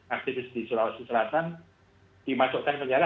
aktivis di sulawesi selatan dimasukkan penjara